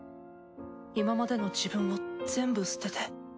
今までの自分を全部捨てて？